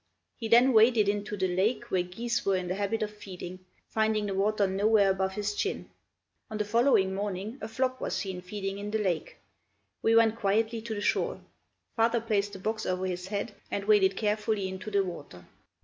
He then waded into the lake where geese were in the habit of feeding, finding the water nowhere above his chin. On the following morning a flock was seen feeding in the lake. We went quietly to the shore; father placed the box over his head and waded carefully into the water.